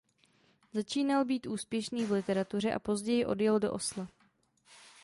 Začínal být úspěšný v literatuře a později odjel do Osla.